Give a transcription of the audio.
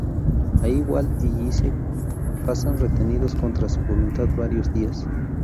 Allí, Walt y Jesse pasan retenidos contra su voluntad varios días.